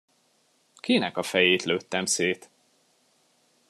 Kinek a fejét lőttem szét?